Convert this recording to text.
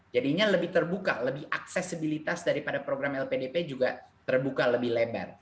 jadinya lebih terbuka lebih aksesibilitas daripada program lpdp juga terbuka lebih lebar